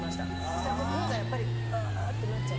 そしたらもう声がやっぱり「アア」ってなっちゃって。